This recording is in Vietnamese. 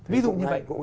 ví dụ như vậy